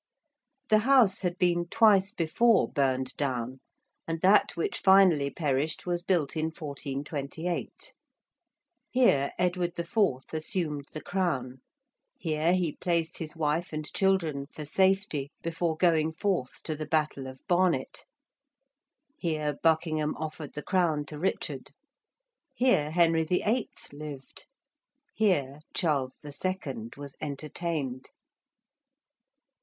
The house had been twice before burned down, and that which finally perished was built in 1428. Here Edward IV. assumed the Crown: here he placed his wife and children for safety before going forth to the Battle of Barnet. Here Buckingham offered the Crown to Richard. Here Henry VIII. lived. Here Charles II. was entertained.